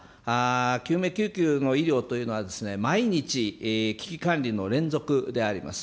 救命救急の医療というのは毎日、危機管理の連続であります。